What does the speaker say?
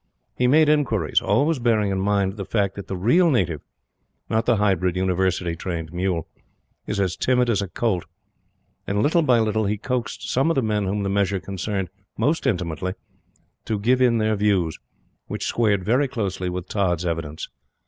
He made inquiries, always bearing in mind the fact that the real native not the hybrid, University trained mule is as timid as a colt, and, little by little, he coaxed some of the men whom the measure concerned most intimately to give in their views, which squared very closely with Tods' evidence.